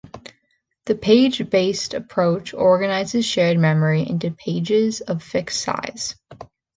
The page based approach organizes shared memory into pages of fixed size.